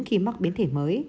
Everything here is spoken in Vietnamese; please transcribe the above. khi mắc biến thể mới